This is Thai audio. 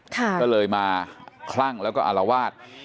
ก็เลยมาคลั่งแล้วก็อารวาส